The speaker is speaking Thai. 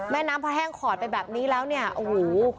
แม่น้ำพอแห้งขอดไปแบบนี้แล้วเนี่ยโอ้โห